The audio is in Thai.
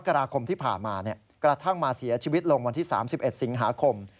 กราคมที่ผ่านมากระทั่งมาเสียชีวิตลงวันที่๓๑สิงหาคม